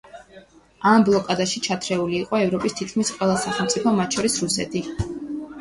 ამ ბლოკადაში ჩათრეული იყო ევროპის თითქმის ყველა სახელმწიფო, მათ შორის რუსეთიც.